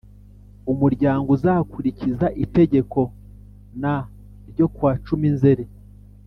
Umuryango uzakurikiza Itegeko n ryo kuwa cumi nzeri